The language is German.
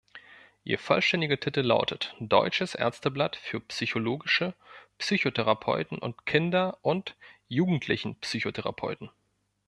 Ihr vollständiger Titel lautet: "Deutsches Ärzteblatt für Psychologische Psychotherapeuten und Kinder- und Jugendlichenpsychotherapeuten".